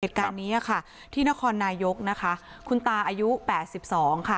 เหตุการณ์นี้ค่ะที่นครนายกนะคะคุณตาอายุ๘๒ค่ะ